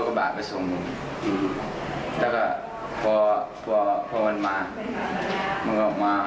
เขาโมงวิ่งไปทางข้างน้ำ